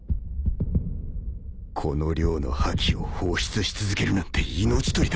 この量の覇気を放出し続けるなんて命取りだ